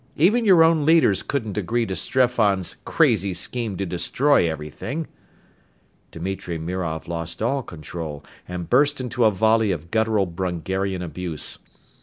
Even your own leaders couldn't agree to Streffan's crazy scheme to destroy everything." Dimitri Mirov lost all control and burst into a volley of guttural Brungarian abuse.